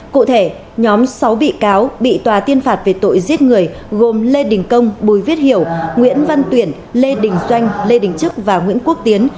cụ thể nhóm sáu bị cáo bị tòa tiên phạt về tội giết người gồm lê đình công bùi viết hiểu nguyễn văn tuyển lê đình doanh lê đình trức và nguyễn quốc tiến